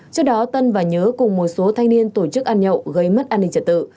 trước đó tân và nhớ cùng một số thanh niên tổ chức ăn nhậu gây mất an ninh trật tự